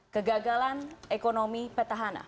kegagalan ekonomi petahana